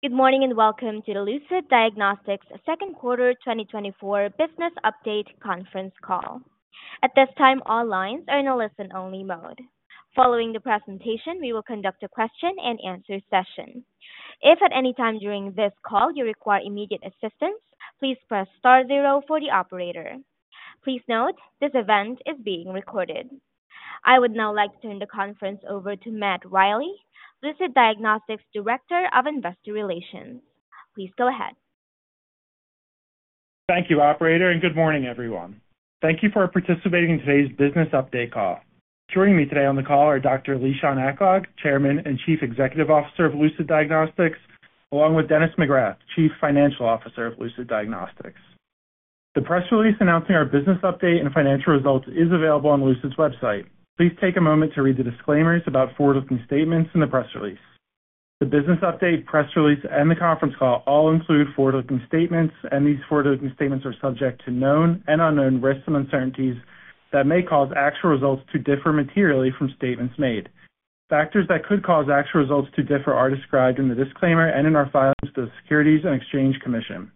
Good morning, and welcome to the Lucid Diagnostics Second Quarter 2024 Business Update Conference Call. At this time, all lines are in a listen-only mode. Following the presentation, we will conduct a question-and-answer session. If at any time during this call you require immediate assistance, please press star zero for the operator. Please note, this event is being recorded. I would now like to turn the conference over to Matt Riley, Lucid Diagnostics Director of Investor Relations. Please go ahead. Thank you, operator, and good morning, everyone. Thank you for participating in today's business update call. Joining me today on the call are Dr. Lishan Aklog, Chairman and Chief Executive Officer of Lucid Diagnostics, along with Dennis McGrath, Chief Financial Officer of Lucid Diagnostics. The press release announcing our business update and financial results is available on Lucid's website. Please take a moment to read the disclaimers about forward-looking statements in the press release. The business update, press release, and the conference call all include forward-looking statements, and these forward-looking statements are subject to known and unknown risks and uncertainties that may cause actual results to differ materially from statements made. Factors that could cause actual results to differ are described in the disclaimer and in our filings to the Securities and Exchange Commission.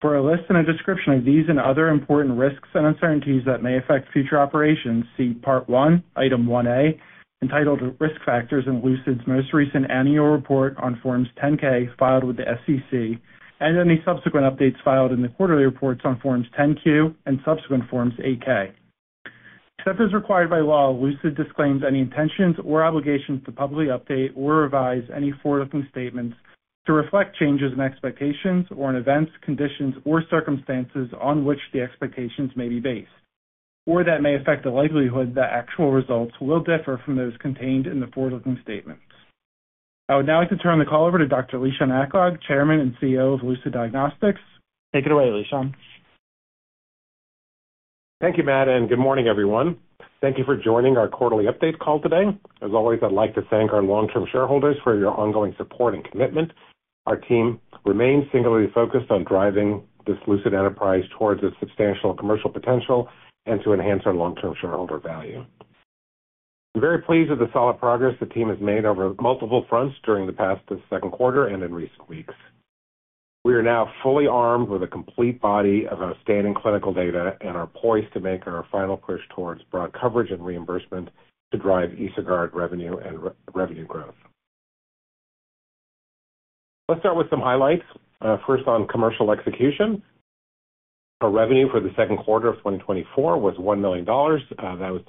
For a list and a description of these and other important risks and uncertainties that may affect future operations, see Part One, Item One-A, entitled Risk Factors in Lucid's most recent annual report on Form 10-K, filed with the SEC, and any subsequent updates filed in the quarterly reports on Form 10-Q and subsequent Form 8-K. Except as required by law, Lucid disclaims any intentions or obligations to publicly update or revise any forward-looking statements to reflect changes in expectations or in events, conditions, or circumstances on which the expectations may be based, or that may affect the likelihood that actual results will differ from those contained in the forward-looking statements. I would now like to turn the call over to Dr. Lishan Aklog, Chairman and CEO of Lucid Diagnostics. Take it away, Lishan. Thank you, Matt, and good morning, everyone. Thank you for joining our quarterly update call today. As always, I'd like to thank our long-term shareholders for your ongoing support and commitment. Our team remains singularly focused on driving this Lucid enterprise towards its substantial commercial potential and to enhance our long-term shareholder value. I'm very pleased with the solid progress the team has made over multiple fronts during the past second quarter and in recent weeks. We are now fully armed with a complete body of our standing clinical data and are poised to make our final push towards broad coverage and reimbursement to drive EsoGuard revenue and revenue growth. Let's start with some highlights. First, on commercial execution. Our revenue for the second quarter of 2024 was $1 million. That was,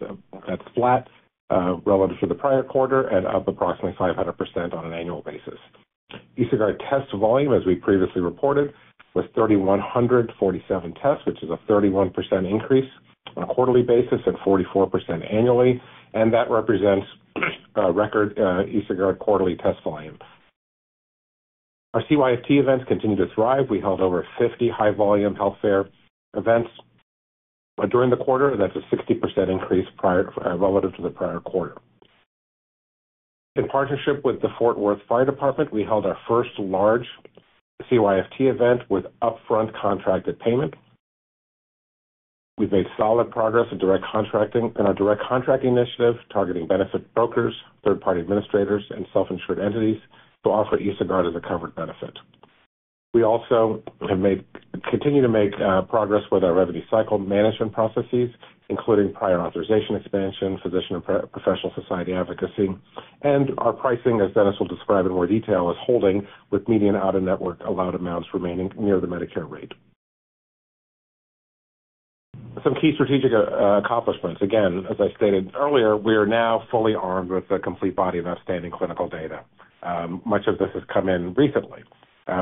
that's flat, relative to the prior quarter and up approximately 500% on an annual basis. EsoGuard test volume, as we previously reported, was 3,147 tests, which is a 31% increase on a quarterly basis and 44% annually, and that represents record EsoGuard quarterly test volume. Our CYFT events continue to thrive. We held over 50 high-volume health fair events during the quarter, that's a 60% increase relative to the prior quarter. In partnership with the Fort Worth Fire Department, we held our first large CYFT event with upfront contracted payment. We've made solid progress in direct contracting, in our direct contracting initiative, targeting benefit brokers, third-party administrators, and self-insured entities to offer EsoGuard as a covered benefit. We also have made... continue to make progress with our revenue cycle management processes, including prior authorization expansion, physician and professional society advocacy. Our pricing, as Dennis will describe in more detail, is holding with median out-of-network allowed amounts remaining near the Medicare rate. Some key strategic accomplishments. Again, as I stated earlier, we are now fully armed with a complete body of outstanding clinical data. Much of this has come in recently.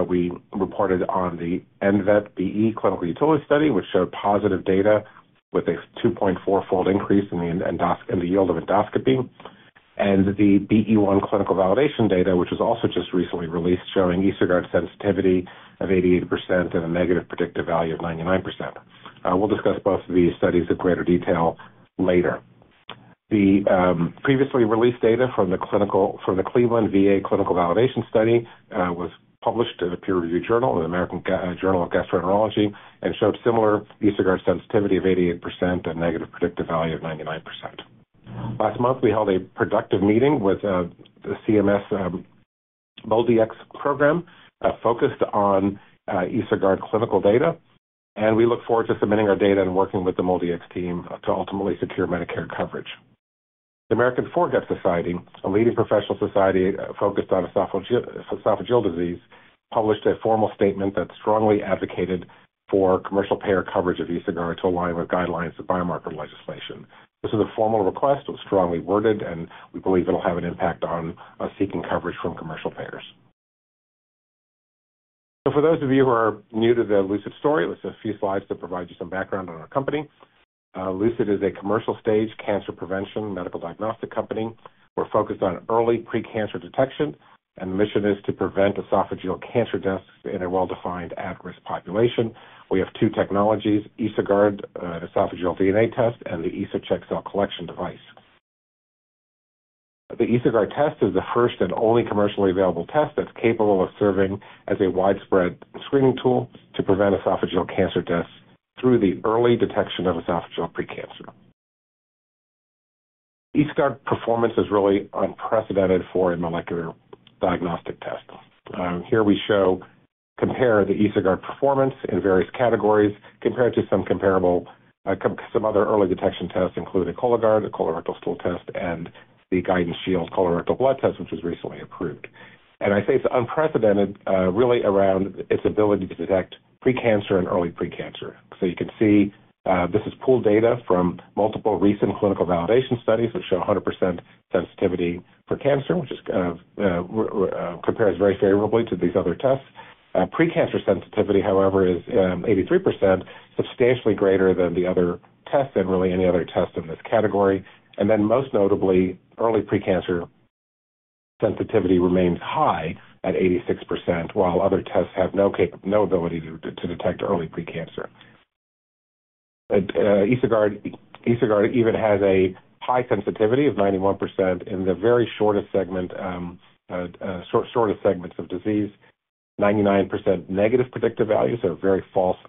We reported on the NVENT-BE clinical utility study, which showed positive data with a 2.4-fold increase in the yield of endoscopy, and the BE-1 clinical validation data, which was also just recently released, showing EsoGuard sensitivity of 88% and a negative predictive value of 99%. We'll discuss both of these studies in greater detail later. The previously released data from the clinical from the Cleveland VA clinical validation study was published in a peer-reviewed journal, the American Journal of Gastroenterology, and showed similar EsoGuard sensitivity of 88% and negative predictive value of 99%. Last month, we held a productive meeting with the CMS MolDX program focused on EsoGuard clinical data, and we look forward to submitting our data and working with the MolDX team to ultimately secure Medicare coverage. The American Foregut Society, a leading professional society focused on esophageal disease, published a formal statement that strongly advocated for commercial payer coverage of EsoGuard to align with guidelines of biomarker legislation. This is a formal request, it was strongly worded, and we believe it'll have an impact on seeking coverage from commercial payers. So for those of you who are new to the Lucid story, this is a few slides to provide you some background on our company. Lucid is a commercial-stage cancer prevention medical diagnostic company. We're focused on early pre-cancer detection, and the mission is to prevent esophageal cancer deaths in a well-defined at-risk population. We have two technologies, EsoGuard, esophageal DNA test, and the EsoCheck cell collection device. The EsoGuard test is the first and only commercially available test that's capable of serving as a widespread screening tool to prevent esophageal cancer deaths through the early detection of esophageal pre-cancer…. EsoGuard performance is really unprecedented for a molecular diagnostic test. Here we show, compare the EsoGuard performance in various categories compared to some comparable, some other early detection tests, including Cologuard, a colorectal stool test, and the Guardant Shield colorectal blood test, which was recently approved. And I say it's unprecedented, really around its ability to detect pre-cancer and early pre-cancer. So you can see, this is pooled data from multiple recent clinical validation studies that show 100% sensitivity for cancer, which compares very favorably to these other tests. Pre-cancer sensitivity, however, is 83%, substantially greater than the other tests than really any other test in this category. And then, most notably, early pre-cancer sensitivity remains high at 86%, while other tests have no cap-- no ability to detect early pre-cancer. EsoGuard, EsoGuard even has a high sensitivity of 91% in the very shortest segment, shortest segments of disease, 99% negative predictive values, so a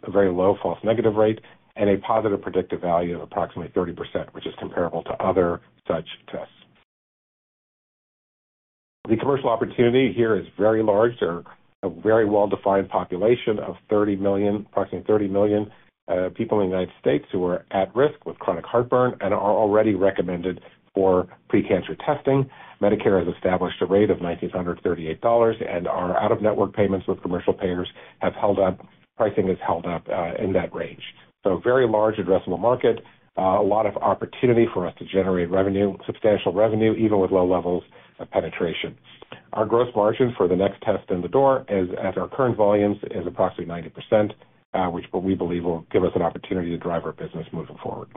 very low false negative rate, and a positive predictive value of approximately 30%, which is comparable to other such tests. The commercial opportunity here is very large. There are a very well-defined population of 30 million, approximately 30 million, people in the United States who are at risk with chronic heartburn and are already recommended for pre-cancer testing. Medicare has established a rate of $1,938, and our out-of-network payments with commercial payers have held up. Pricing has held up, in that range. So a very large addressable market, a lot of opportunity for us to generate revenue, substantial revenue, even with low levels of penetration. Our gross margin for the next test in the door is, at our current volumes, approximately 90%, which we believe will give us an opportunity to drive our business moving forward.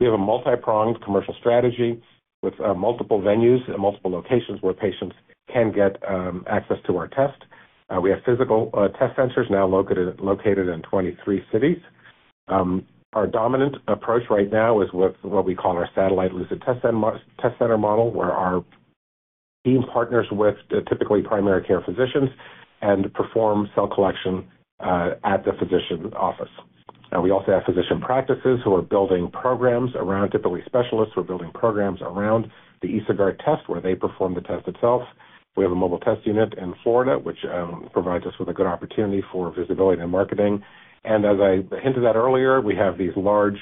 We have a multi-pronged commercial strategy with multiple venues and multiple locations where patients can get access to our test. We have physical test centers now located in 23 cities. Our dominant approach right now is with what we call our satellite Lucid test center model, where our team partners with typically primary care physicians and performs cell collection at the physician office. We also have physician practices who are building programs around, typically specialists, who are building programs around the EsoGuard test, where they perform the test itself. We have a mobile test unit in Florida, which provides us with a good opportunity for visibility and marketing. And as I hinted at earlier, we have these large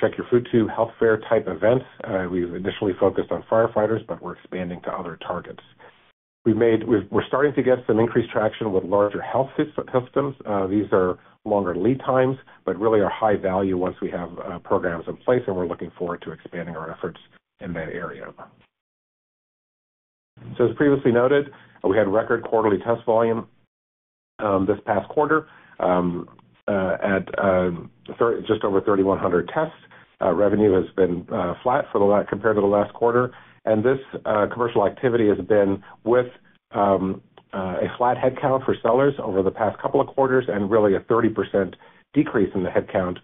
Check Your Food Tube health fair-type events. We've initially focused on firefighters, but we're expanding to other targets. We're starting to get some increased traction with larger health systems. These are longer lead times, but really are high value once we have programs in place, and we're looking forward to expanding our efforts in that area. So as previously noted, we had record quarterly test volume this past quarter at just over 3,100 tests. Revenue has been flat compared to the last quarter, and this commercial activity has been with a flat headcount for sellers over the past couple of quarters, and really a 30% decrease in the headcount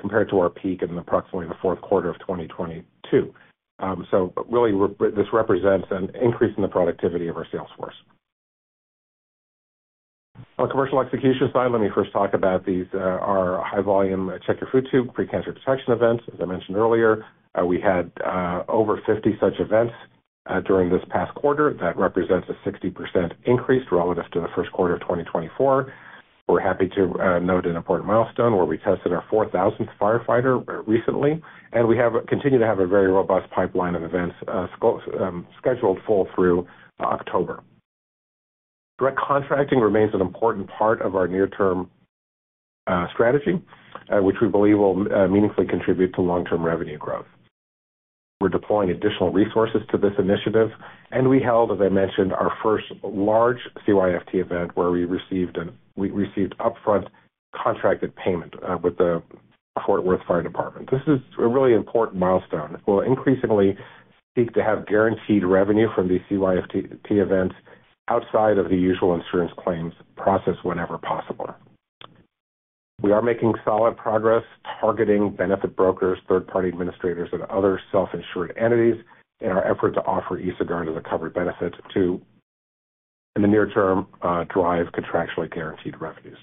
compared to our peak in approximately the fourth quarter of 2022. So really, this represents an increase in the productivity of our sales force. On commercial execution side, let me first talk about these our high volume, Check Your Food Tube pre-cancer detection events. As I mentioned earlier, we had over 50 such events during this past quarter. That represents a 60% increase relative to the first quarter of 2024. We're happy to note an important milestone where we tested our 4,000th firefighter recently, and we continue to have a very robust pipeline of events scheduled fully through October. Direct contracting remains an important part of our near-term strategy, which we believe will meaningfully contribute to long-term revenue growth. We're deploying additional resources to this initiative, and we held, as I mentioned, our first large CYFT event, where we received upfront contracted payment with the Fort Worth Fire Department. This is a really important milestone. We'll increasingly seek to have guaranteed revenue from these CYFT events outside of the usual insurance claims process whenever possible. We are making solid progress targeting benefit brokers, third-party administrators, and other self-insured entities in our effort to offer EsoGuard as a covered benefit to, in the near term, drive contractually guaranteed revenues.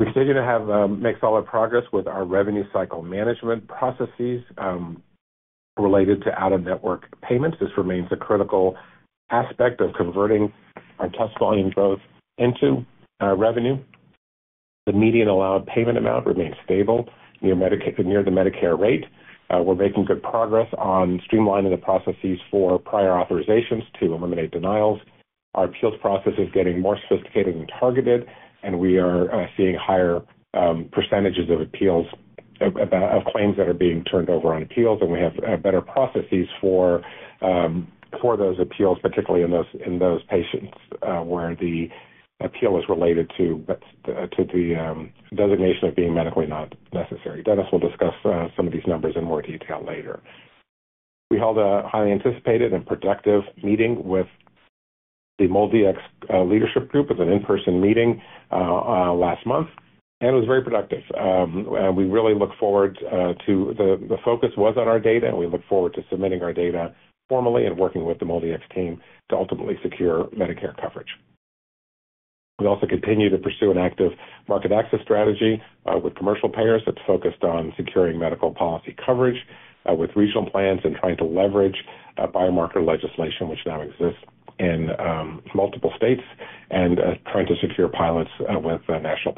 We continue to make solid progress with our revenue cycle management processes related to out-of-network payments. This remains a critical aspect of converting our test volume growth into revenue. The median allowed payment amount remains stable, near the Medicare rate. We're making good progress on streamlining the processes for prior authorizations to eliminate denials. Our appeals process is getting more sophisticated and targeted, and we are seeing higher percentages of appeals of claims that are being turned over on appeals, and we have better processes for those appeals, particularly in those patients where the appeal is related to the designation of being medically not necessary. Dennis will discuss some of these numbers in more detail later. We held a highly anticipated and productive meeting with the MolDX leadership group. It was an in-person meeting last month, and it was very productive. We really look forward. The focus was on our data, and we look forward to submitting our data formally and working with the MolDX team to ultimately secure Medicare coverage. We also continue to pursue an active market access strategy with commercial payers that's focused on securing medical policy coverage with regional plans and trying to leverage biomarker legislation, which now exists in multiple states and trying to secure pilots with national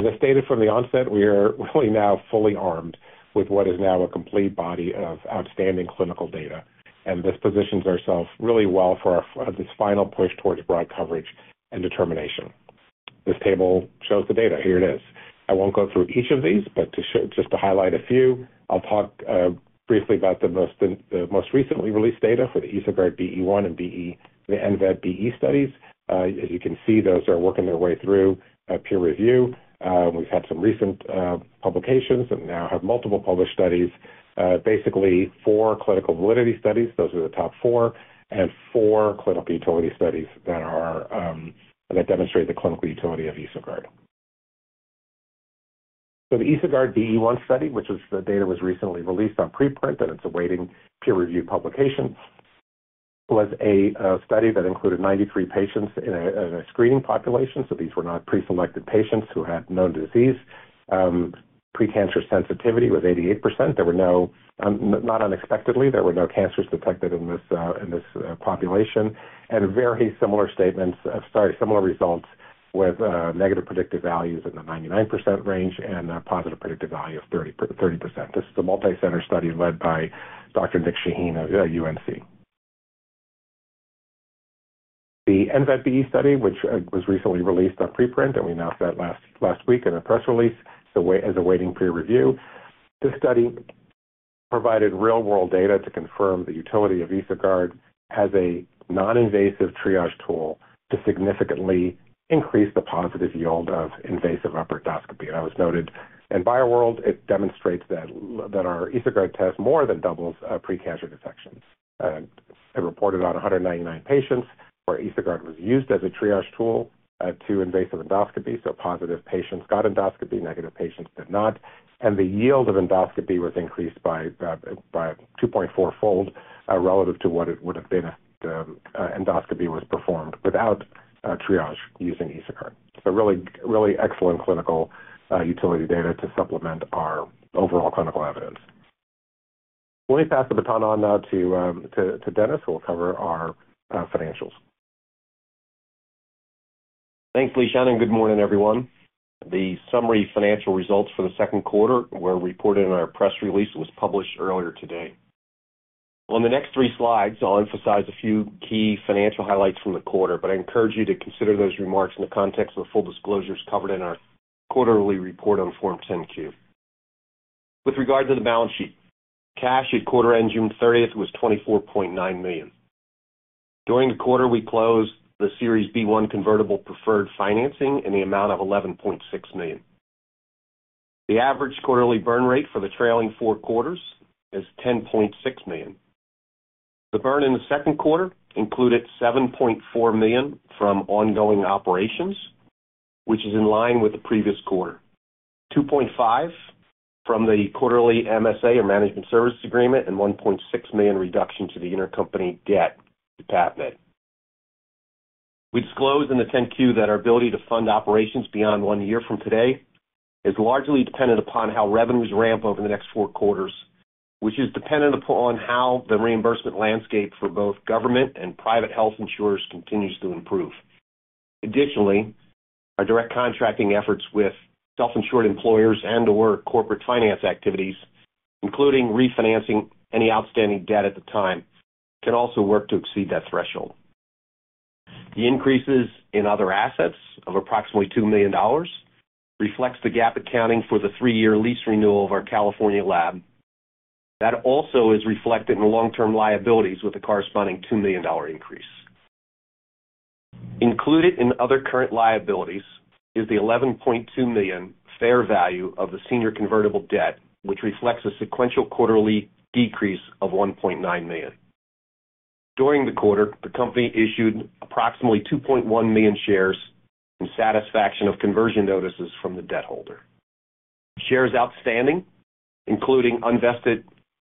plans. As I stated from the onset, we are really now fully armed with what is now a complete body of outstanding clinical data, and this positions ourselves really well for our this final push towards broad coverage and determination. This table shows the data. Here it is. I won't go through each of these, but to show, just to highlight a few, I'll talk briefly about the most recently released data for the EsoGuard BE-1 and the ENVEB BE studies. As you can see, those are working their way through peer review. We've had some recent publications and now have multiple published studies, basically four clinical validity studies. Those are the top four, and four clinical utility studies that demonstrate the clinical utility of EsoGuard. So the EsoGuard BE1 study, which the data was recently released on preprint, and it's awaiting peer review publication, was a study that included 93 patients in a screening population, so these were not preselected patients who had known disease. Precancer sensitivity was 88%. There were no, not unexpectedly, cancers detected in this population, and very similar results with negative predictive values in the 99% range and a positive predictive value of 30%. This is a multicenter study led by Dr. Nick Shaheen of UNC. The ENVEB study, which was recently released on preprint, and we announced that last week in a press release, so is awaiting peer review. This study provided real-world data to confirm the utility of EsoGuard as a non-invasive triage tool to significantly increase the positive yield of invasive upper endoscopy. And it was noted in BioWorld that our EsoGuard test more than doubles precancerous detections. It reported on 199 patients, where EsoGuard was used as a triage tool to invasive endoscopy. So positive patients got endoscopy, negative patients did not, and the yield of endoscopy was increased by about two point four fold relative to what it would have been if the endoscopy was performed without triage using EsoGuard. So really excellent clinical utility data to supplement our overall clinical evidence. Let me pass the baton on now to Dennis, who will cover our financials. Thanks, Lishan, and good morning, everyone. The summary financial results for the second quarter were reported in our press release that was published earlier today. On the next three slides, I'll emphasize a few key financial highlights from the quarter, but I encourage you to consider those remarks in the context of the full disclosures covered in our quarterly report on Form 10-Q. With regard to the balance sheet, cash at quarter-end June 30th was $24.9 million. During the quarter, we closed the Series B1 convertible preferred financing in the amount of $11.6 million. The average quarterly burn rate for the trailing four quarters is $10.6 million. The burn in the second quarter included $7.4 million from ongoing operations, which is in line with the previous quarter, $2.5 from the quarterly MSA, or Management Services Agreement, and $1.6 million reduction to the intercompany debt to PAVmed. We disclosed in the 10-Q that our ability to fund operations beyond one year from today is largely dependent upon how revenues ramp over the next four quarters, which is dependent upon how the reimbursement landscape for both government and private health insurers continues to improve. Additionally, our direct contracting efforts with self-insured employers and/or corporate finance activities, including refinancing any outstanding debt at the time, can also work to exceed that threshold. The increases in other assets of approximately $2 million reflects the GAAP accounting for the three-year lease renewal of our California lab. That also is reflected in the long-term liabilities with a corresponding $2 million increase. Included in other current liabilities is the $11.2 million fair value of the senior convertible debt, which reflects a sequential quarterly decrease of $1.9 million. During the quarter, the company issued approximately 2.1 million shares in satisfaction of conversion notices from the debt holder. Shares outstanding, including unvested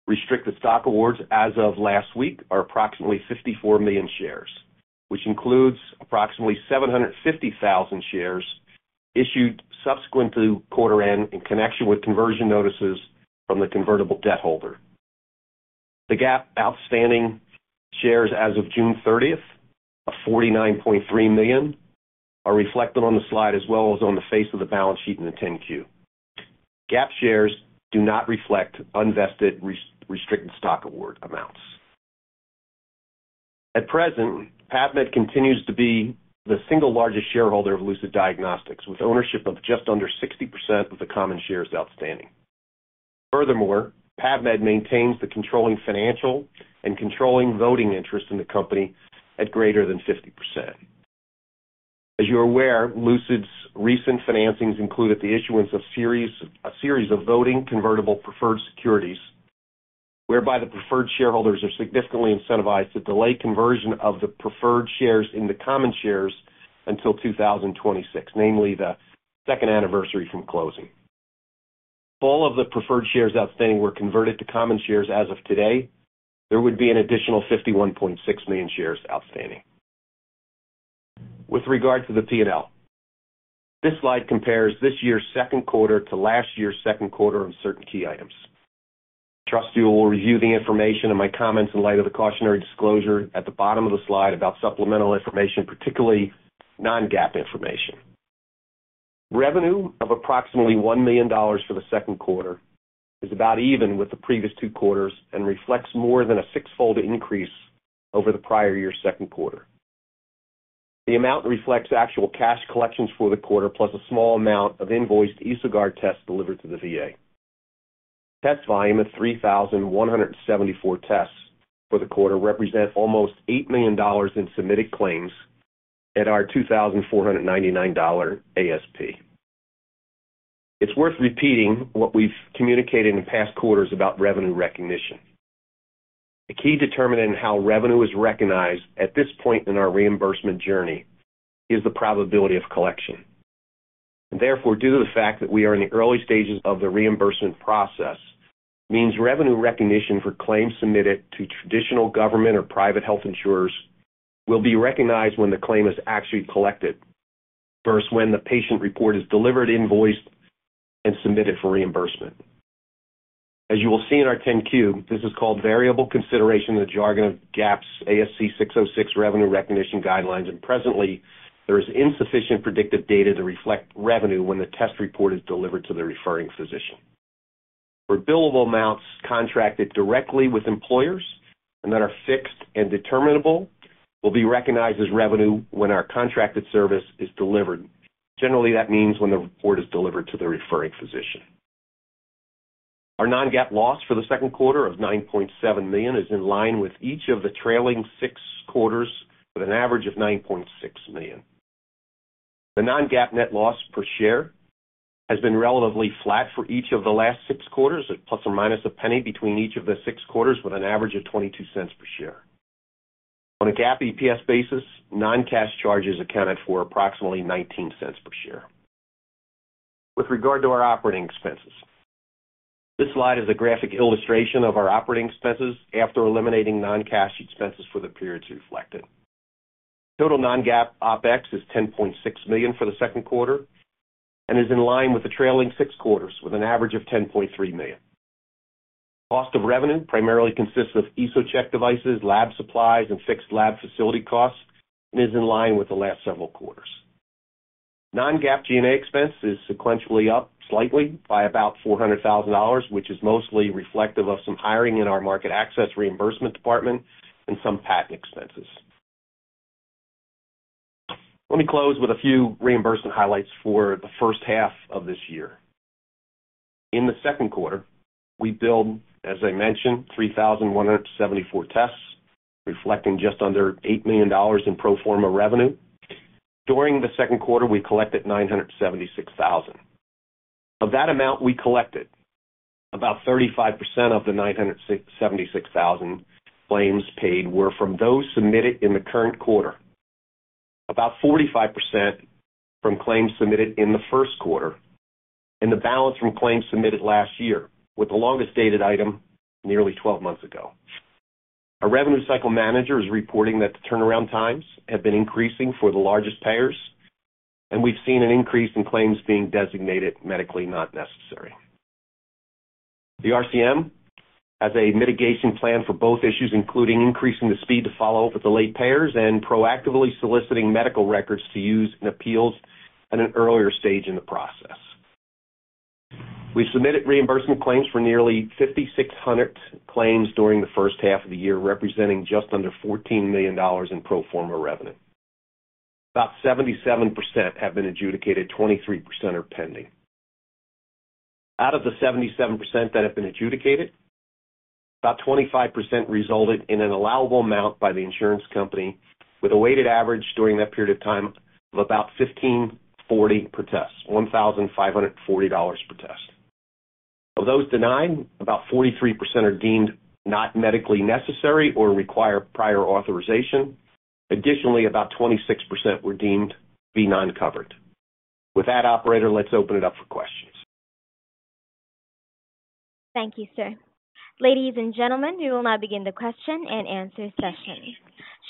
restricted stock awards as of last week, are approximately 54 million shares, which includes approximately 750,000 shares issued subsequent to quarter-end in connection with conversion notices from the convertible debt holder. The GAAP outstanding shares as of June 30th, of 49.3 million, are reflected on the slide as well as on the face of the balance sheet in the 10-Q. GAAP shares do not reflect unvested restricted stock award amounts. At present, PAVmed continues to be the single largest shareholder of Lucid Diagnostics, with ownership of just under 60% of the common shares outstanding. Furthermore, PAVmed maintains the controlling financial and controlling voting interest in the company at greater than 50%. As you are aware, Lucid's recent financings included the issuance of a series of voting convertible preferred securities, whereby the preferred shareholders are significantly incentivized to delay conversion of the preferred shares in the common shares until 2026, namely the second anniversary from closing. If all of the preferred shares outstanding were converted to common shares as of today, there would be an additional 51.6 million shares outstanding. With regard to the P&L, this slide compares this year's second quarter to last year's second quarter on certain key items. trust you will review the information in my comments in light of the cautionary disclosure at the bottom of the slide about supplemental information, particularly non-GAAP information. Revenue of approximately $1 million for the second quarter is about even with the previous two quarters and reflects more than a sixfold increase over the prior year's second quarter. The amount reflects actual cash collections for the quarter, plus a small amount of invoiced EsoGuard tests delivered to the VA. Test volume of 3,174 tests for the quarter represent almost $8 million in submitted claims at our $2,499 ASP. It's worth repeating what we've communicated in past quarters about revenue recognition. A key determinant in how revenue is recognized at this point in our reimbursement journey is the probability of collection. Therefore, due to the fact that we are in the early stages of the reimbursement process, means revenue recognition for claims submitted to traditional government or private health insurers will be recognized when the claim is actually collected versus when the patient report is delivered, invoiced, and submitted for reimbursement. As you will see in our 10-Q, this is called variable consideration, the jargon of GAAP's ASC 606 revenue recognition guidelines, and presently, there is insufficient predictive data to reflect revenue when the test report is delivered to the referring physician. For billable amounts contracted directly with employers and that are fixed and determinable, will be recognized as revenue when our contracted service is delivered. Generally, that means when the report is delivered to the referring physician. Our non-GAAP loss for the second quarter of $9.7 million is in line with each of the trailing 6 quarters, with an average of $9.6 million. The non-GAAP net loss per share has been relatively flat for each of the last 6 quarters at ±$0.01 between each of the 6 quarters, with an average of $0.22 per share. On a GAAP EPS basis, non-cash charges accounted for approximately $0.19 per share. With regard to our operating expenses, this slide is a graphic illustration of our operating expenses after eliminating non-cash expenses for the periods reflected. Total non-GAAP OpEx is $10.6 million for the second quarter and is in line with the trailing 6 quarters, with an average of $10.3 million. Cost of revenue primarily consists of EsoCheck devices, lab supplies, and fixed lab facility costs, and is in line with the last several quarters. Non-GAAP G&A expense is sequentially up slightly by about $400,000, which is mostly reflective of some hiring in our market access reimbursement department and some patent expenses. Let me close with a few reimbursement highlights for the first half of this year. In the second quarter, we billed, as I mentioned, 3,174 tests, reflecting just under $8 million in pro forma revenue. During the second quarter, we collected $976,000. Of that amount we collected, about 35% of the $976,000 claims paid were from those submitted in the current quarter. About 45% from claims submitted in the first quarter, and the balance from claims submitted last year, with the longest dated item nearly 12 months ago. Our revenue cycle manager is reporting that the turnaround times have been increasing for the largest payers, and we've seen an increase in claims being designated medically not necessary. The RCM has a mitigation plan for both issues, including increasing the speed to follow up with the late payers and proactively soliciting medical records to use in appeals at an earlier stage in the process. We submitted reimbursement claims for nearly 5,600 claims during the first half of the year, representing just under $14 million in pro forma revenue. About 77% have been adjudicated, 23% are pending. Out of the 77% that have been adjudicated, about 25% resulted in an allowable amount by the insurance company, with a weighted average during that period of time of about 1,540 per test, $1,540 per test. Of those denied, about 43% are deemed not medically necessary or require prior authorization. Additionally, about 26% were deemed to be non-covered. With that, operator, let's open it up for questions. Thank you, sir. Ladies and gentlemen, we will now begin the question and answer session.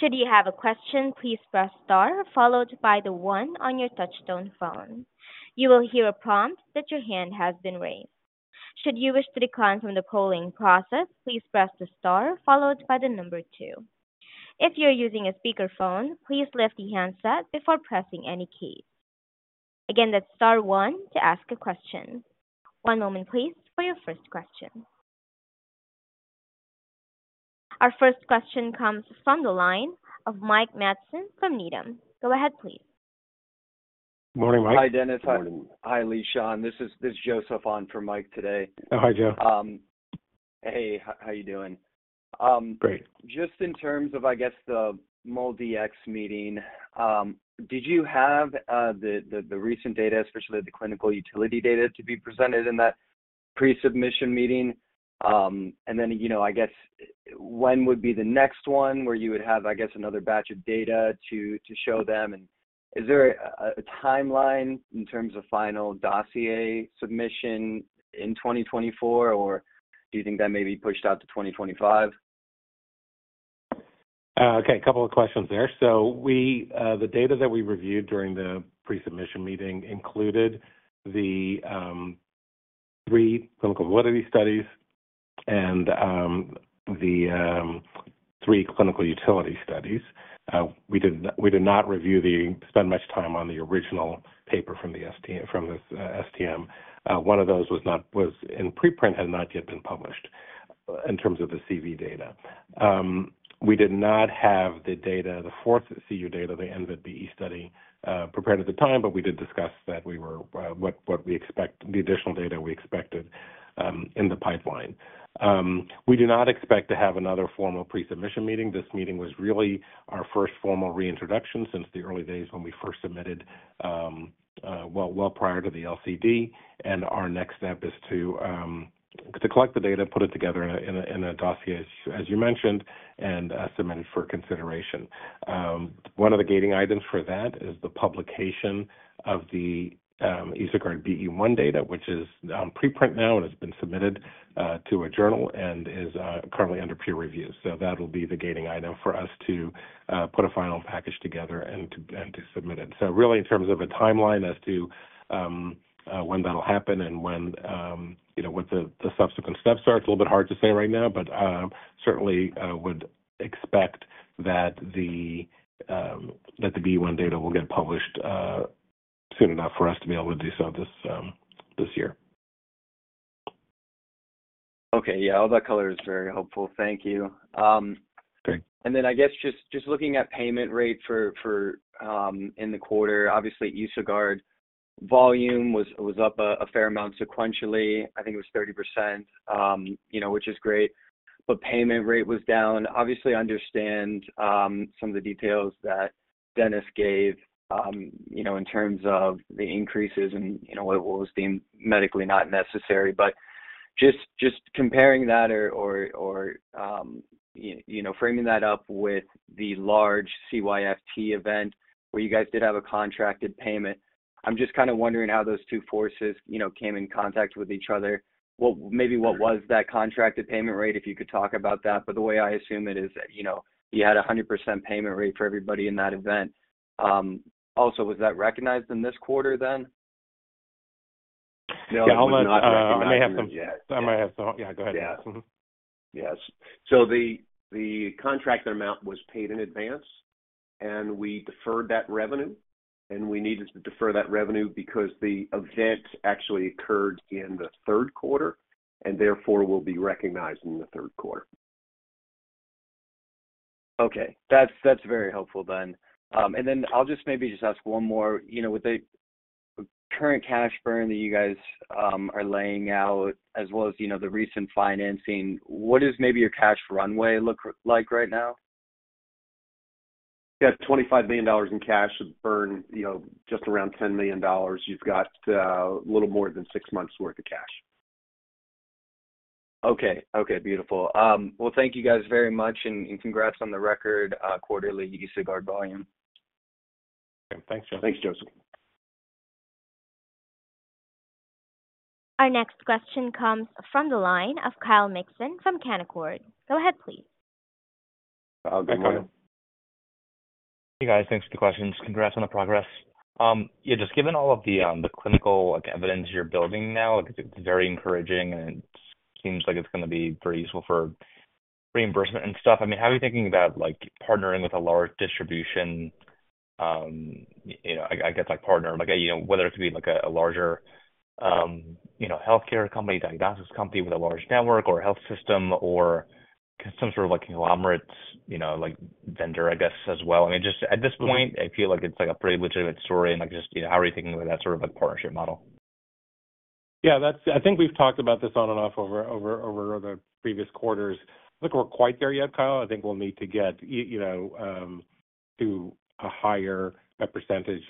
Should you have a question, please press star, followed by the 1 on your touchtone phone. You will hear a prompt that your hand has been raised. Should you wish to decline from the polling process, please press the star followed by the number 2. If you're using a speakerphone, please lift the handset before pressing any key. Again, that's star 1 to ask a question. One moment, please, for your first question. Our first question comes from the line of Mike Matson from Needham. Go ahead, please. Morning, Mike. Hi, Dennis. Morning. Hi, Lishan. This is Joe Shaffon for Mike today. Oh, hi, Joe. Hey, how you doing? Great. Just in terms of, I guess, the MolDX meeting, did you have the recent data, especially the clinical utility data, to be presented in that pre-submission meeting? And then, you know, I guess, when would be the next one where you would have, I guess, another batch of data to show them? And is there a timeline in terms of final dossier submission in 2024, or do you think that may be pushed out to 2025? Okay, a couple of questions there. So, the data that we reviewed during the pre-submission meeting included the three clinical validity studies and the three clinical utility studies. We did not spend much time on the original paper from the ST, from the STM. One of those was not, was in preprint, had not yet been published in terms of the CV data. We did not have the data, the fourth CU data, the end of the BE study, prepared at the time, but we did discuss what we expect, the additional data we expected in the pipeline. We do not expect to have another formal pre-submission meeting. This meeting was really our first formal reintroduction since the early days when we first submitted prior to the LCD. Our next step is to collect the data, put it together in a dossier, as you mentioned, and submit it for consideration. One of the gating items for that is the publication of the EsoGuard BE1 data, which is on preprint now and has been submitted to a journal and is currently under peer review. So that'll be the gating item for us to put a final package together and submit it. So really, in terms of a timeline as to when that'll happen and when you know what the subsequent steps are, it's a little bit hard to say right now, but certainly would expect that the BE1 data will get published soon enough for us to be able to do so this year. Okay, yeah, all that color is very helpful. Thank you. Great. And then I guess just looking at payment rate for in the quarter, obviously, EsoGuard volume was up a fair amount sequentially. I think it was 30%, you know, which is great, but payment rate was down. Obviously, I understand some of the details that Dennis gave, you know, in terms of the increases and, you know, what was deemed medically not necessary. But just comparing that or you know, framing that up with the large CYFT event where you guys did have a contracted payment, I'm just kind of wondering how those two forces, you know, came in contact with each other. What maybe what was that contracted payment rate, if you could talk about that? But the way I assume it is, you know, you had 100% payment rate for everybody in that event. Also, was that recognized in this quarter then? No, it was not recognized yet. I might have some. Yeah, go ahead. Yeah. Mm-hmm. Yes. So the contracted amount was paid in advance, and we deferred that revenue, and we needed to defer that revenue because the event actually occurred in the third quarter and therefore will be recognized in the third quarter. Okay. That's, that's very helpful then. And then I'll just maybe just ask one more. You know, with the current cash burn that you guys are laying out, as well as, you know, the recent financing, what does maybe your cash runway look like right now? Yeah, $25 billion in cash burn, you know, just around $10 million. You've got a little more than six months' worth of cash. Okay. Okay, beautiful. Well, thank you guys very much, and, and congrats on the record quarterly EsoGuard volume. Thanks, Joe. Thanks, Joseph. Our next question comes from the line of Kyle Mikson from Canaccord Genuity. Go ahead, please. Hi, Kyle. Hey, guys. Thanks for the questions. Congrats on the progress. Yeah, just given all of the clinical, like, evidence you're building now, it's very encouraging, and it seems like it's gonna be very useful for reimbursement and stuff. I mean, how are you thinking about, like, partnering with a large distribution, you know, I guess, like, partner, like, you know, whether it could be, like, a larger, you know, healthcare company, diagnosis company with a large network or a health system or some sort of, like, conglomerate, you know, like, vendor, I guess, as well? I mean, just at this point, I feel like it's, like, a pretty legitimate story and, like, just, you know, how are you thinking about that sort of, like, partnership model? Yeah, that's-- I think we've talked about this on and off over the previous quarters. I think we're quite there yet, Kyle. I think we'll need to get you know to a higher percentage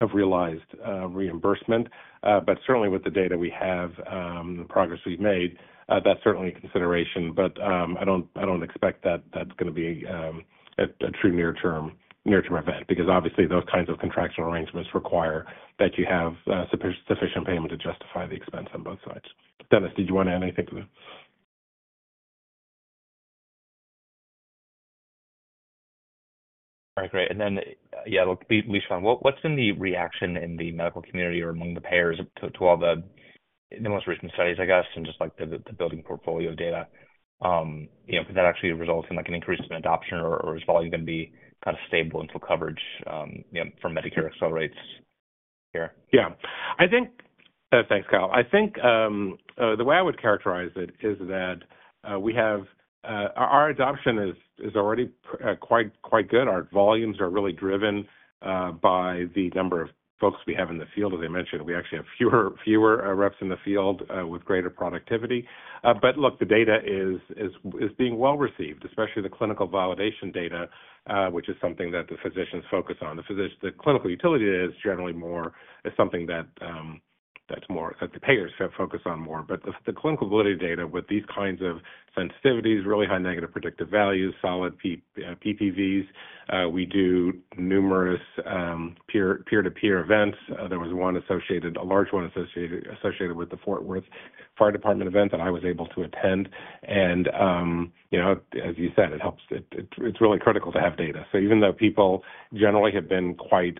of realized reimbursement. But certainly with the data we have, the progress we've made, that's certainly a consideration. But I don't expect that that's gonna be a true near-term event, because obviously those kinds of contractual arrangements require that you have sufficient payment to justify the expense on both sides. Dennis, did you want to add anything to that? All right, great. And then, yeah, at least one, what, what's been the reaction in the medical community or among the payers to, to all the, the most recent studies, I guess, and just like the, the building portfolio of data? You know, does that actually result in, like, an increase in adoption, or, or is volume going to be kind of stable until coverage, you know, from Medicare accelerates here? Yeah. I think... thanks, Kyle. I think, the way I would characterize it is that, we have, our adoption is, is already quite, quite good. Our volumes are really driven by the number of folks we have in the field. As I mentioned, we actually have fewer, fewer reps in the field with greater productivity. But look, the data is being well received, especially the clinical validation data, which is something that the physicians focus on. The clinical utility is generally more, is something that... That's more that the payers have focused on more. But the clinical validity data with these kinds of sensitivities, really high negative predictive values, solid PPVs. We do numerous peer-to-peer events. There was a large one associated with the Fort Worth Fire Department event that I was able to attend. And you know, as you said, it helps. It’s really critical to have data. So even though people generally have been quite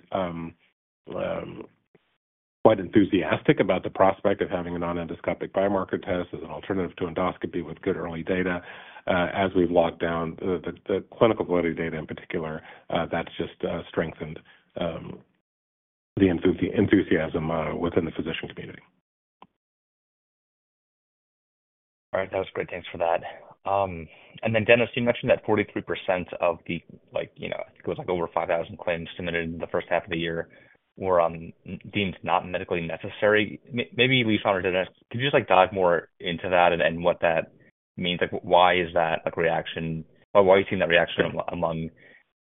enthusiastic about the prospect of having a non-endoscopic biomarker test as an alternative to endoscopy with good early data, as we’ve locked down the clinical validity data, in particular, that’s just strengthened the enthusiasm within the physician community. All right. That was great. Thanks for that. And then, Dennis, you mentioned that 43% of the, like, you know, it was like over 5,000 claims submitted in the first half of the year were deemed not medically necessary. Maybe Lishan or Dennis, could you just, like, dive more into that and what that means? Like, why is that, like, reaction, or why are you seeing that reaction among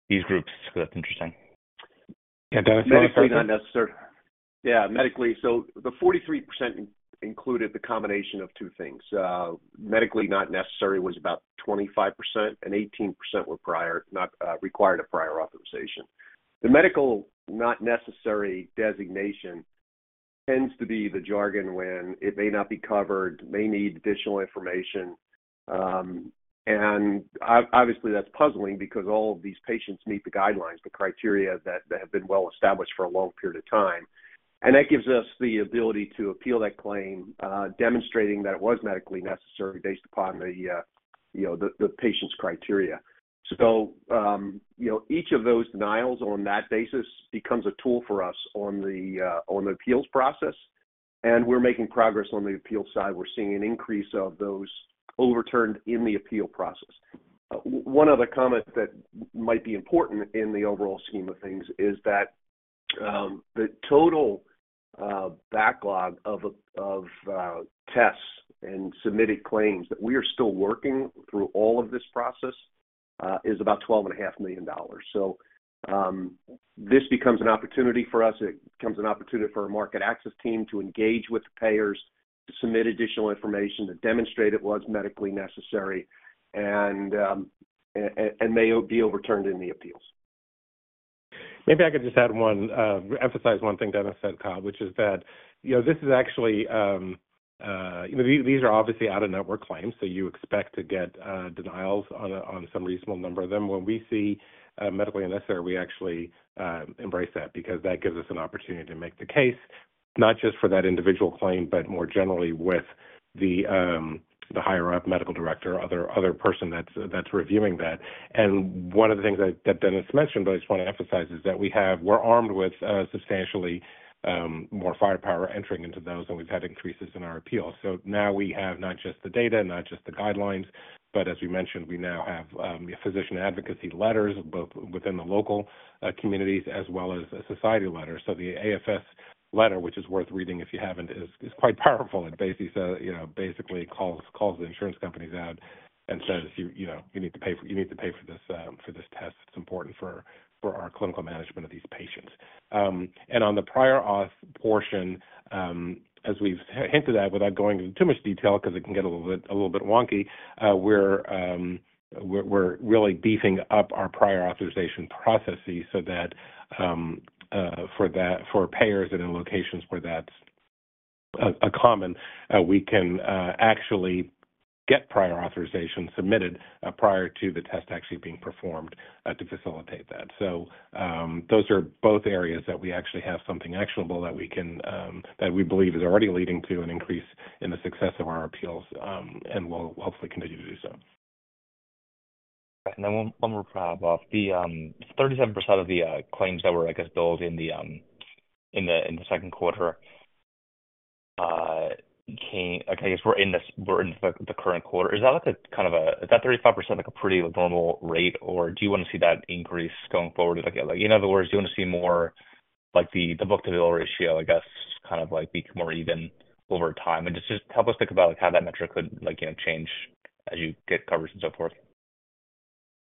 these groups? 'Cause that's interesting. Yeah, Dennis, you wanna start this? Medically not necessary. Yeah, medically. So the 43% included the combination of two things. Medically not necessary was about 25%, and 18% were prior... not required a prior authorization. The medical not necessary designation tends to be the jargon when it may not be covered, may need additional information. And obviously, that's puzzling because all of these patients meet the guidelines, the criteria that have been well established for a long period of time. And that gives us the ability to appeal that claim, demonstrating that it was medically necessary based upon the, you know, the patient's criteria. So, you know, each of those denials on that basis becomes a tool for us on the appeals process, and we're making progress on the appeal side. We're seeing an increase of those overturned in the appeal process. One other comment that might be important in the overall scheme of things is that the total backlog of tests and submitted claims that we are still working through all of this process is about $12.5 million. So this becomes an opportunity for us. It becomes an opportunity for our market access team to engage with the payers, to submit additional information, to demonstrate it was medically necessary, and may be overturned in the appeals. Maybe I could just add one, emphasize one thing Dennis said, Kyle, which is that, you know, this is actually, you know, these are obviously out-of-network claims, so you expect to get denials on some reasonable number of them. When we see medically unnecessary, we actually embrace that because that gives us an opportunity to make the case, not just for that individual claim, but more generally with the higher-up medical director or other person that's reviewing that. And one of the things that Dennis mentioned, but I just wanna emphasize, is that we're armed with substantially more firepower entering into those, and we've had increases in our appeals. So now we have not just the data, not just the guidelines, but as we mentioned, we now have physician advocacy letters, both within the local communities as well as a society letter. So the AFS letter, which is worth reading if you haven't, is quite powerful. It basically says, you know, basically calls the insurance companies out and says, you know, you need to pay for this test. It's important for our clinical management of these patients. And on the prior auth portion, as we've hinted at, without going into too much detail, 'cause it can get a little bit wonky, we're really beefing up our prior authorization processes so that, for that, for payers and in locations where that's uncommon, we can actually get prior authorization submitted, prior to the test actually being performed, to facilitate that. So, those are both areas that we actually have something actionable that we can, that we believe is already leading to an increase in the success of our appeals, and will hopefully continue to do so. And then one more follow-up. The 37% of the claims that were, I guess, billed in the second quarter came... I guess we're in the current quarter. Is that like a kind of a, is that 35% like a pretty normal rate, or do you want to see that increase going forward? Like, in other words, do you want to see more, like, the book-to-bill ratio, I guess, kind of like become more even over time? And just, just help us think about, like, how that metric could, like, you know, change as you get coverage and so forth.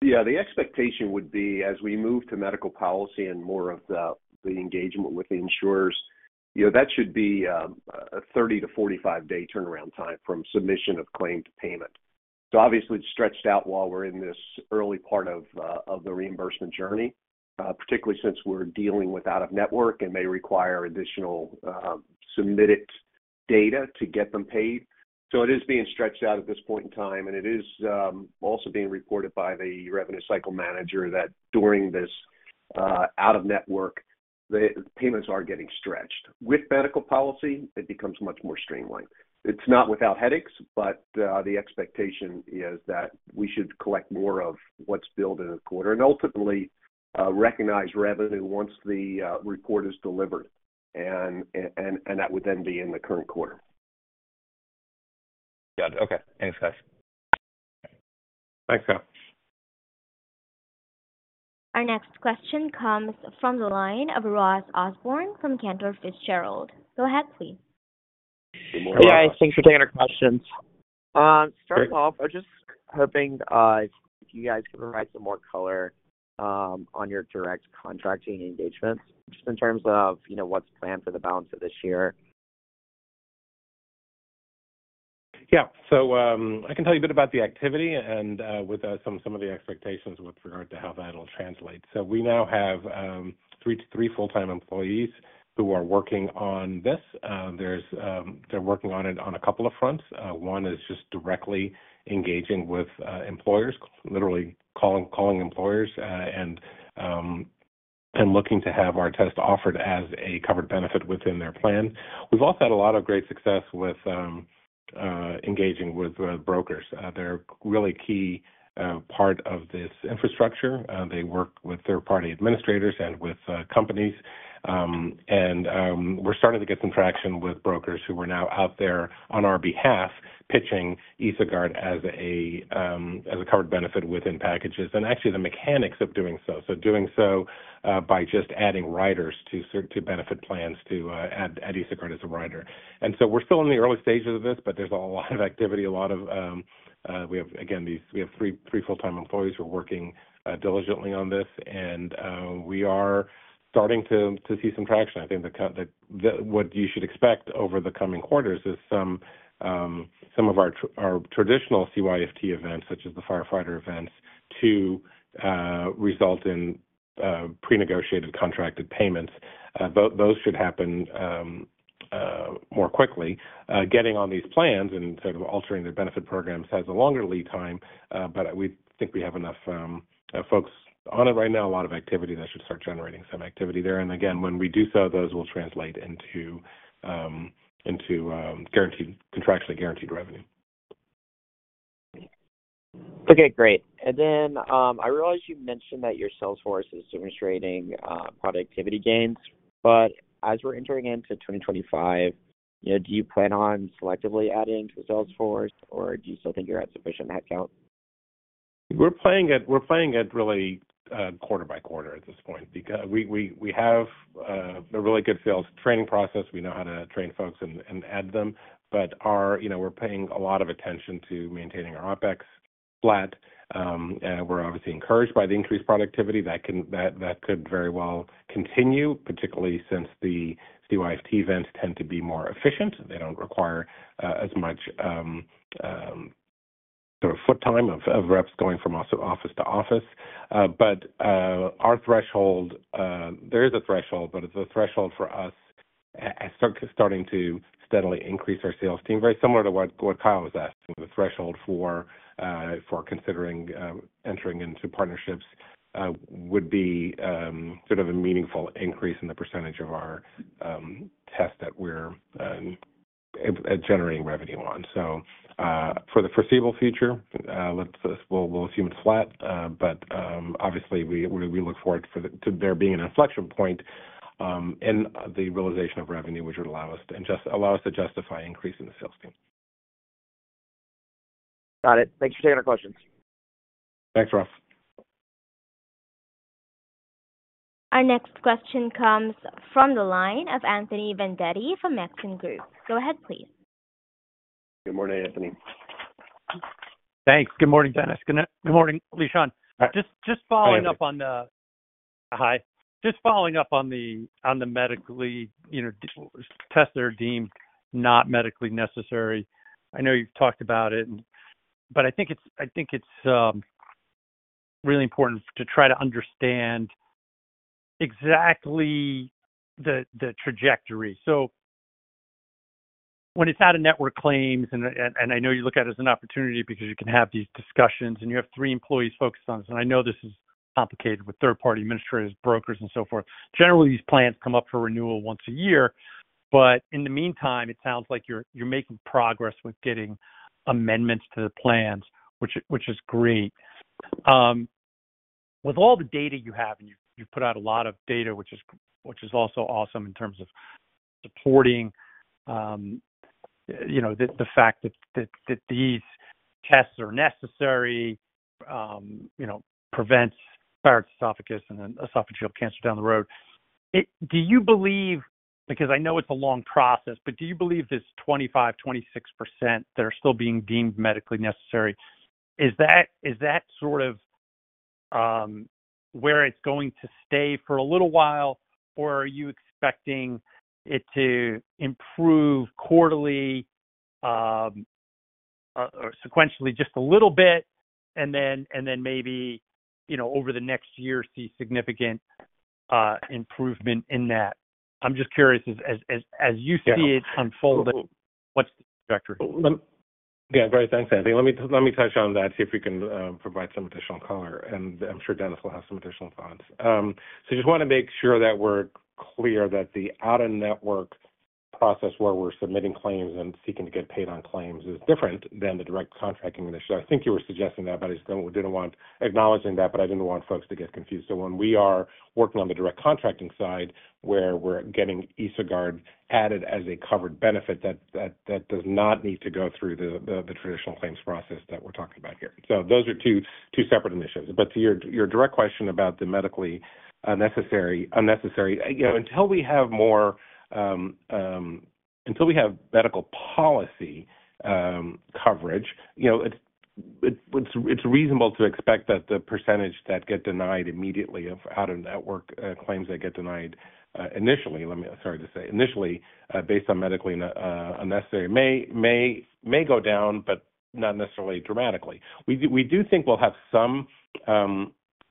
Yeah, the expectation would be as we move to medical policy and more of the engagement with the insurers, you know, that should be a 30-45 day turnaround time from submission of claim to payment. So obviously, it's stretched out while we're in this early part of the reimbursement journey, particularly since we're dealing with out-of-network and may require additional submitted data to get them paid. So it is being stretched out at this point in time, and it is also being reported by the revenue cycle manager that during this out-of-network, the payments are getting stretched. With medical policy, it becomes much more streamlined. It's not without headaches, but the expectation is that we should collect more of what's billed in a quarter and ultimately recognize revenue once the report is delivered, and that would then be in the current quarter. Got it. Okay. Thanks, guys. Thanks, Kyle. Our next question comes from the line of Ross Osborne from Cantor Fitzgerald. Go ahead, please. Yeah, thanks for taking our questions. To start off, I was just hoping if you guys can provide some more color on your direct contracting engagements, just in terms of, you know, what's planned for the balance of this year? Yeah. So, I can tell you a bit about the activity and with some of the expectations with regard to how that'll translate. So we now have three full-time employees who are working on this. They're working on it on a couple of fronts. One is just directly engaging with employers, literally calling employers, and looking to have our test offered as a covered benefit within their plan. We've also had a lot of great success with engaging with the brokers. They're really key part of this infrastructure. They work with third-party administrators and with companies. And we're starting to get some traction with brokers who are now out there on our behalf, pitching EsoGuard as a covered benefit within packages, and actually the mechanics of doing so. So doing so by just adding riders to benefit plans to add EsoGuard as a rider. And so we're still in the early stages of this, but there's a lot of activity, a lot of we have, again, we have three full-time employees who are working diligently on this, and we are starting to see some traction. I think the what you should expect over the coming quarters is some of our traditional CYFT events, such as the firefighter events, to result in pre-negotiated contracted payments. Those should happen more quickly. Getting on these plans and sort of altering their benefit programs has a longer lead time, but we think we have enough folks on it right now, a lot of activity that should start generating some activity there. And again, when we do so, those will translate into contractually guaranteed revenue. Okay, great. And then, I realize you mentioned that your sales force is demonstrating productivity gains, but as we're entering into 2025, you know, do you plan on selectively adding to the sales force, or do you still think you're at sufficient headcount? We're playing it, we're playing it really quarter by quarter at this point, because we have a really good sales training process. We know how to train folks and add them, but our... You know, we're paying a lot of attention to maintaining our OpEx flat. And we're obviously encouraged by the increased productivity that could very well continue, particularly since the CYFT events tend to be more efficient. They don't require as much sort of foot time of reps going from office to office. But our threshold, there is a threshold, but it's a threshold for us as starting to steadily increase our sales team, very similar to what Kyle was asking. The threshold for considering entering into partnerships would be sort of a meaningful increase in the percentage of our tests that we're generating revenue on. So, for the foreseeable future, we'll assume it's flat. But, obviously, we look forward to there being an inflection point in the realization of revenue, which would allow us to justify increasing the sales team. Got it. Thanks for taking our questions. Thanks, Ross. Our next question comes from the line of Anthony Vendetti from Maxim Group. Go ahead, please. Good morning, Anthony. Thanks. Good morning, Dennis. Good morning, Lishan. Hi. Just following up, hi. Just following up on the medically, you know, tests that are deemed not medically necessary. I know you've talked about it, but I think it's really important to try to understand exactly the trajectory. So when it's out of network claims, and I know you look at it as an opportunity because you can have these discussions and you have 3 employees focused on this, and I know this is complicated with third-party administrators, brokers, and so forth. Generally, these plans come up for renewal once a year, but in the meantime, it sounds like you're making progress with getting amendments to the plans, which is great. With all the data you have, and you put out a lot of data, which is also awesome in terms of supporting, you know, the fact that these tests are necessary, you know, prevents Barrett's Esophagus and then esophageal cancer down the road. Do you believe, because I know it's a long process, but do you believe this 25%-26% that are still being deemed medically necessary, is that sort of where it's going to stay for a little while, or are you expecting it to improve quarterly or sequentially just a little bit, and then maybe, you know, over the next year, see significant improvement in that? I'm just curious, as you see it unfolding, what's the trajectory? Yeah, great. Thanks, Anthony. Let me, let me touch on that, see if we can, provide some additional color, and I'm sure Dennis will have some additional thoughts. So just wanna make sure that we're clear that the out-of-network process, where we're submitting claims and seeking to get paid on claims, is different than the direct contracting initiative. I think you were suggesting that, but I still didn't want... Acknowledging that, but I didn't want folks to get confused. So when we are working on the direct contracting side, where we're getting EsoGuard added as a covered benefit, that, that, that does not need to go through the, the traditional claims process that we're talking about here. So those are two, two separate initiatives. But to your, your direct question about the medically necessary, unnecessary, you know, until we have more... Until we have medical policy coverage, you know, it's reasonable to expect that the percentage that get denied immediately of out-of-network claims that get denied initially based on medically unnecessary may go down, but not necessarily dramatically. We do think we'll have some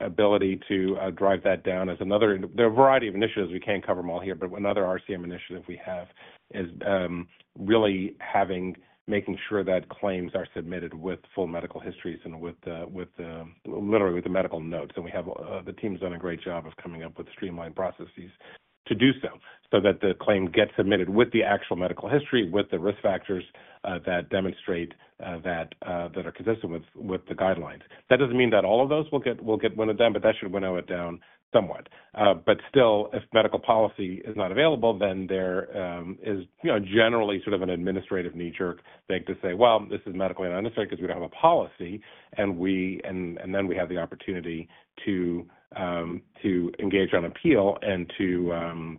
ability to drive that down as another. There are a variety of initiatives. We can't cover them all here, but another RCM initiative we have is really making sure that claims are submitted with full medical histories and with the literally with the medical notes. And we have, the team's done a great job of coming up with streamlined processes to do so, so that the claim gets submitted with the actual medical history, with the risk factors, that demonstrate, that are consistent with, with the guidelines. That doesn't mean that all of those will get, will get one of them, but that should window it down somewhat. But still, if medical policy is not available, then there is, you know, generally sort of an administrative knee-jerk thing to say, "Well, this is medically unnecessary because we don't have a policy," and we and then we have the opportunity to, to engage on appeal and to,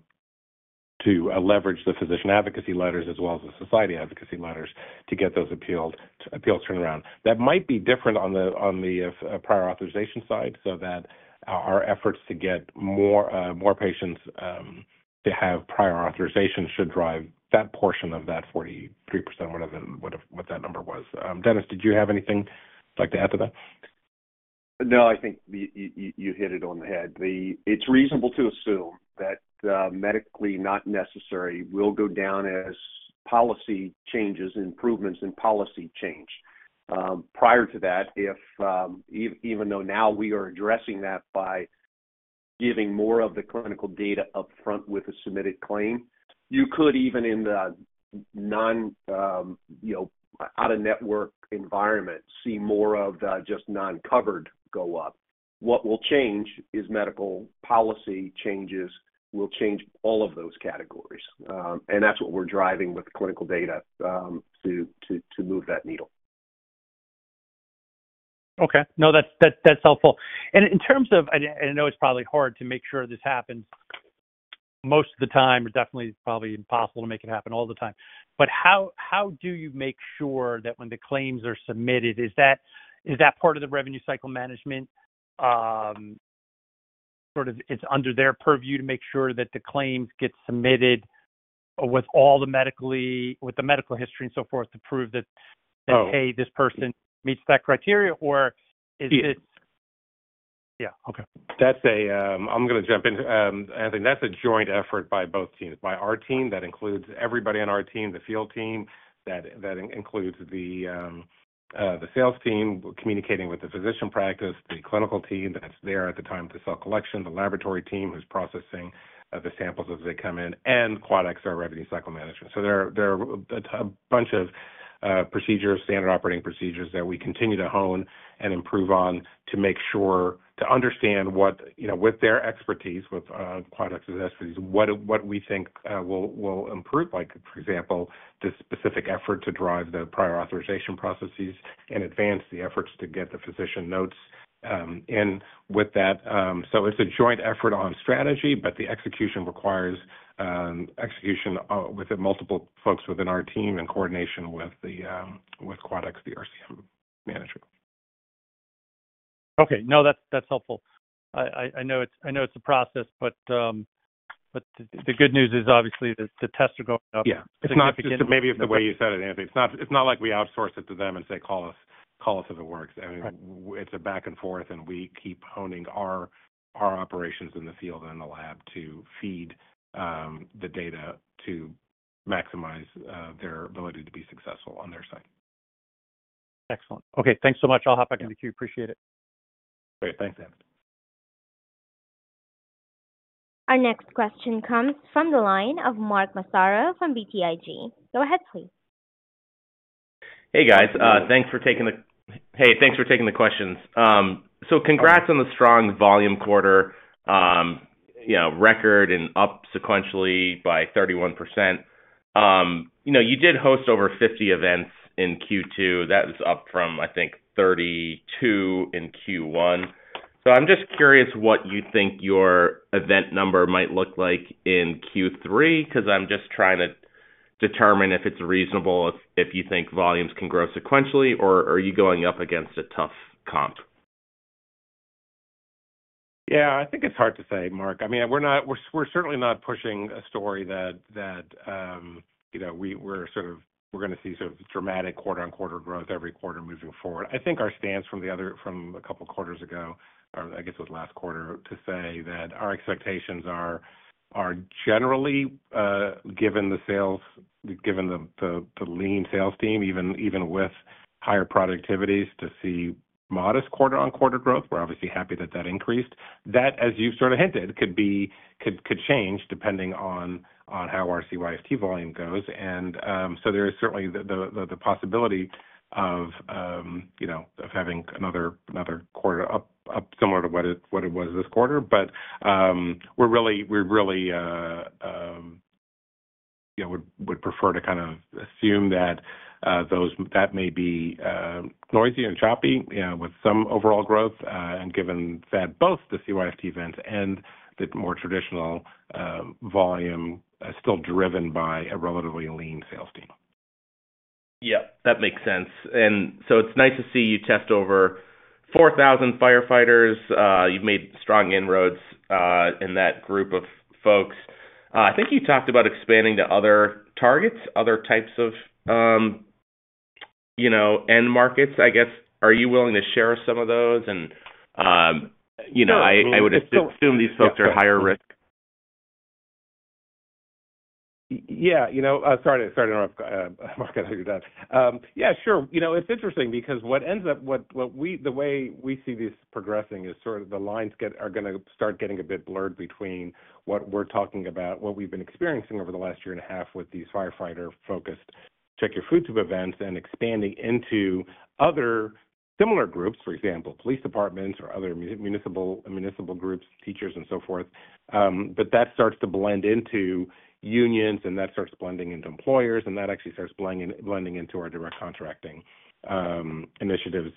to leverage the physician advocacy letters as well as the society advocacy letters to get those appealed appeals turned around. That might be different on the prior authorization side, so that our efforts to get more patients to have prior authorization should drive that portion of that 43%, whatever that number was. Dennis, did you have anything you'd like to add to that? No, I think you hit it on the head. It's reasonable to assume that medically not necessary will go down as policy changes, improvements in policy change. Prior to that, even though now we are addressing that by giving more of the clinical data upfront with a submitted claim, you could even in the non you know out-of-network environment see more of the just non-covered go up. What will change is medical policy changes will change all of those categories. And that's what we're driving with the clinical data to move that needle. Okay. No, that's helpful. And in terms of, I know it's probably hard to make sure this happens most of the time, definitely probably impossible to make it happen all the time. But how do you make sure that when the claims are submitted? Is that part of the revenue cycle management? Sort of, it's under their purview to make sure that the claims get submitted with all the medically- with the medical history and so forth, to prove that- Oh. Hey, this person meets that criteria, or is it? Yeah. Okay. That's a... I'm going to jump in. I think that's a joint effort by both teams, by our team that includes everybody on our team, the field team that includes the sales team, communicating with the physician practice, the clinical team that's there at the time of the cell collection, the laboratory team who's processing the samples as they come in, and Quadax, our revenue cycle management. So there are a bunch of procedures, standard operating procedures, that we continue to hone and improve on, to make sure to understand what, you know, with their expertise, with Quadax's expertise, what we think will improve. Like, for example, this specific effort to drive the prior authorization processes and advance the efforts to get the physician notes in with that. So it's a joint effort on strategy, but the execution requires execution within multiple folks within our team in coordination with the with Quadax, the RCM management. Okay. No, that's, that's helpful. I know it's, I know it's a process, but the good news is obviously the tests are going up. Yeah. Maybe it's the way you said it, Anthony. It's not, it's not like we outsource it to them and say, "Call us, call us if it works. Right. I mean, it's a back and forth, and we keep honing our operations in the field and in the lab to feed the data to maximize their ability to be successful on their side. Excellent. Okay, thanks so much. I'll hop back in the queue. Appreciate it. Great. Thanks, Anthony. Our next question comes from the line of Mark Massaro from BTIG. Go ahead, please. Hey, guys. Hey, thanks for taking the questions. So congrats on the strong volume quarter, you know, record and up sequentially by 31%. You know, you did host over 50 events in Q2. That is up from, I think, 32 in Q1. So I'm just curious what you think your event number might look like in Q3, because I'm just trying to determine if it's reasonable, if you think volumes can grow sequentially, or are you going up against a tough comp? Yeah, I think it's hard to say, Mark. I mean, we're not, we're certainly not pushing a story that, you know, we're sort of, we're gonna see sort of dramatic quarter-on-quarter growth every quarter moving forward. I think our stance from a couple of quarters ago, or I guess it was last quarter, to say that our expectations are generally, given the sales, given the lean sales team, even with higher productivities, to see modest quarter-on-quarter growth. We're obviously happy that that increased. That, as you sort of hinted, could be, could change depending on how our CYFT volume goes. And, so there is certainly the possibility of, you know, of having another quarter up similar to what it was this quarter. We're really, we're really you know would prefer to kind of assume that that may be noisy and choppy with some overall growth. And given that both the CYFT event and the more traditional volume are still driven by a relatively lean sales team.... Yep, that makes sense. And so it's nice to see you test over 4,000 firefighters. You've made strong inroads in that group of folks. I think you talked about expanding to other targets, other types of, you know, end markets, I guess. Are you willing to share some of those? And, you know, I would assume these folks are higher risk. Yeah. You know, sorry, sorry to interrupt, Mark, you're done. Yeah, sure. You know, it's interesting because what ends up... What, what we-- the way we see this progressing is sort of the lines get, are gonna start getting a bit blurred between what we're talking about, what we've been experiencing over the last year and a half with these firefighter-focused Check Your Food Tube events and expanding into other similar groups, for example, police departments or other municipal groups, teachers and so forth. But that starts to blend into unions, and that starts blending into employers, and that actually starts blending into our direct contracting initiatives,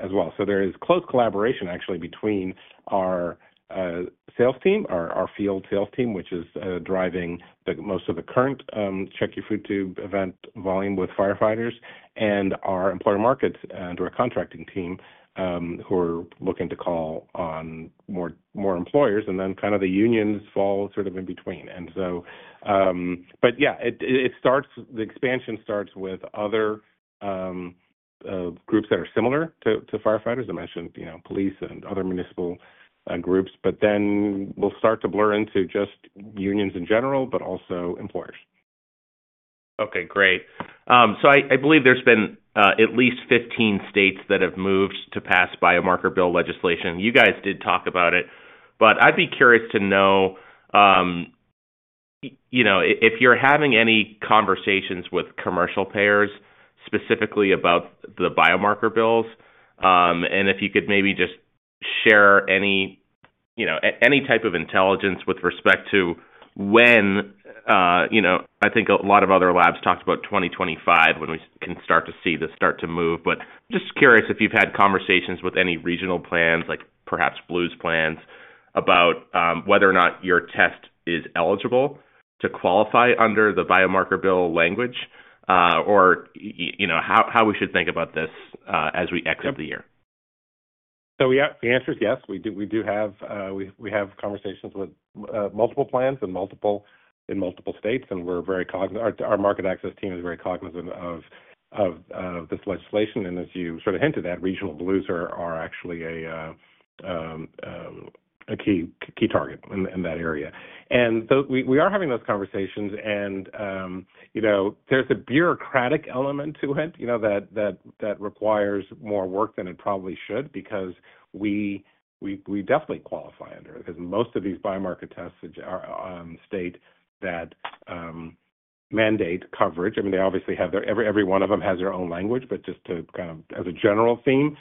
as well. So there is close collaboration actually between our sales team, our field sales team, which is driving the most of the current Check Your Food Tube event volume with firefighters and our employer markets and our contracting team, who are looking to call on more employers, and then kind of the unions fall sort of in between. And so, but yeah, the expansion starts with other groups that are similar to firefighters. I mentioned, you know, police and other municipal groups, but then we'll start to blur into just unions in general, but also employers. Okay, great. So I believe there's been at least 15 states that have moved to pass biomarker bill legislation. You guys did talk about it, but I'd be curious to know, you know, if you're having any conversations with commercial payers, specifically about the biomarker bills. And if you could maybe just share any, you know, any type of intelligence with respect to when, you know, I think a lot of other labs talked about 2025 when we can start to see this start to move. But just curious if you've had conversations with any regional plans, like perhaps Blues plans, about whether or not your test is eligible to qualify under the biomarker bill language, or, you know, how we should think about this, as we exit the year. So yeah, the answer is yes. We do have conversations with multiple plans in multiple states, and we're very cognizant. Our market access team is very cognizant of this legislation. And as you sort of hinted at, regional Blues are actually a key target in that area. And so we are having those conversations, and you know, there's a bureaucratic element to it, you know, that requires more work than it probably should because we definitely qualify under it, because most of these biomarker tests are states that mandate coverage. I mean, they obviously have their... Every one of them has their own language, but just to kind of as a general theme,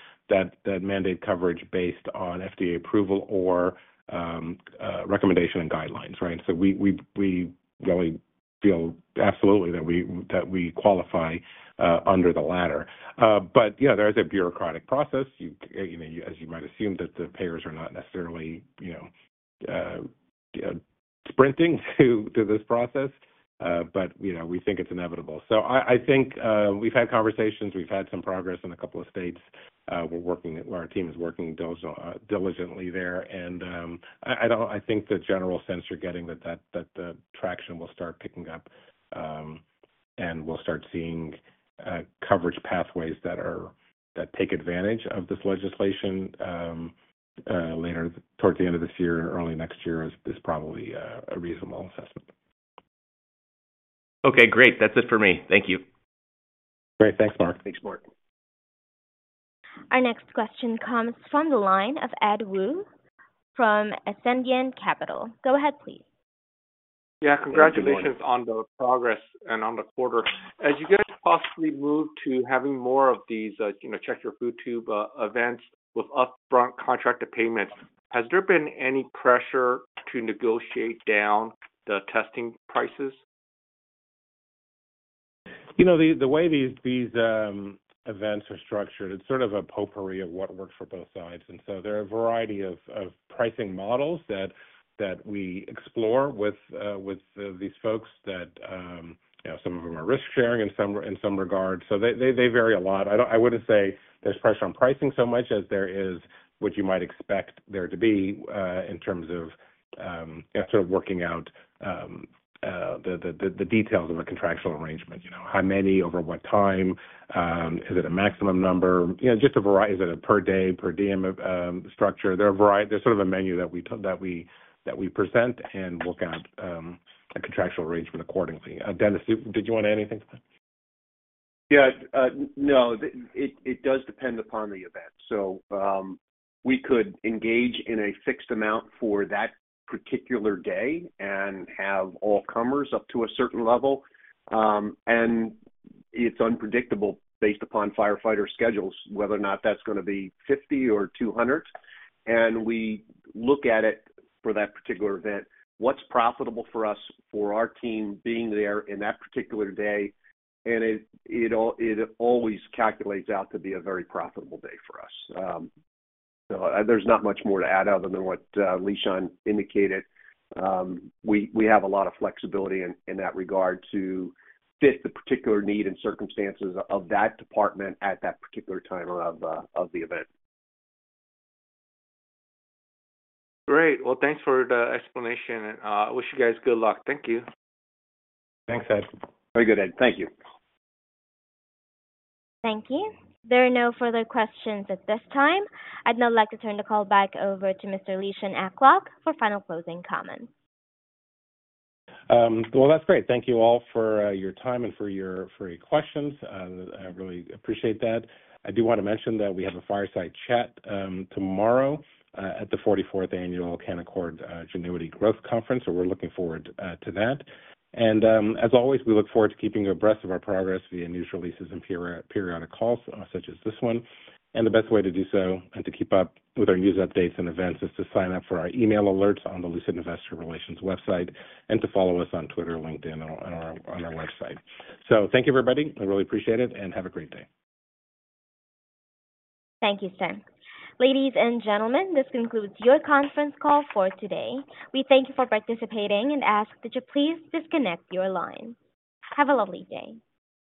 that mandate coverage based on FDA approval or recommendation and guidelines, right? So we really feel absolutely that we qualify under the latter. But yeah, there is a bureaucratic process. You know, as you might assume, that the payers are not necessarily sprinting through to this process, but you know, we think it's inevitable. So I think we've had conversations, we've had some progress in a couple of states. We're working, our team is working those diligently there, and I don't... I think the general sense you're getting that the traction will start picking up, and we'll start seeing coverage pathways that take advantage of this legislation, later towards the end of this year or early next year is probably a reasonable assessment. Okay, great. That's it for me. Thank you. Great. Thanks, Mark. Thanks, Mark. Our next question comes from the line of Edward Woo from Ascendiant Capital Markets. Go ahead, please. Yeah, congratulations- Good morning. On the progress and on the quarter. As you guys possibly move to having more of these, you know, Check Your Food Tube, events with upfront contracted payments, has there been any pressure to negotiate down the testing prices? You know, the way these events are structured, it's sort of a potpourri of what works for both sides. And so there are a variety of pricing models that we explore with these folks, you know, some of them are risk-sharing in some regards. So they vary a lot. I wouldn't say there's pressure on pricing so much as there is what you might expect there to be in terms of sort of working out the details of a contractual arrangement. You know, how many, over what time, is it a maximum number? You know, just a variety. Is it a per day, per diem, structure? There are a variety. There's sort of a menu that we present and work out a contractual arrangement accordingly. Dennis, did you want to add anything to that? Yeah, no, it does depend upon the event. So, we could engage in a fixed amount for that particular day and have all comers up to a certain level. And it's unpredictable based upon firefighter schedules, whether or not that's gonna be 50 or 200. And we look at it for that particular event, what's profitable for us, for our team being there in that particular day, and it always calculates out to be a very profitable day for us. So there's not much more to add other than what Lishan indicated. We have a lot of flexibility in that regard to fit the particular need and circumstances of that department at that particular time of the event. Great. Well, thanks for the explanation, and wish you guys good luck. Thank you. Thanks, Ed. Very good, Ed. Thank you. Thank you. There are no further questions at this time. I'd now like to turn the call back over to Mr. Lishan Aklog for final closing comments. Well, that's great. Thank you all for your time and for your questions. I really appreciate that. I do want to mention that we have a fireside chat tomorrow at the 44th Annual Canaccord Genuity Growth Conference, so we're looking forward to that. And as always, we look forward to keeping you abreast of our progress via news releases and periodic calls, such as this one. And the best way to do so and to keep up with our news updates and events is to sign up for our email alerts on the Lucid Investor Relations website and to follow us on Twitter, LinkedIn, and on our website. So thank you, everybody. I really appreciate it, and have a great day. Thank you, sir. Ladies and gentlemen, this concludes your conference call for today. We thank you for participating and ask that you please disconnect your line. Have a lovely day.